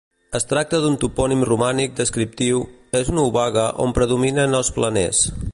Es tracta d'un topònim romànic descriptiu, és una obaga on predominen els planers.